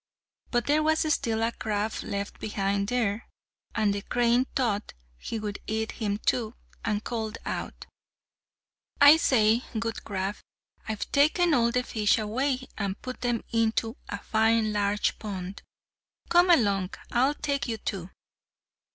But there was still a crab left behind there; and the crane thought he would eat him too, and called out: "I say, good crab, I've taken all the fish away, and put them into a fine large pond. Come along. I'll take you too!"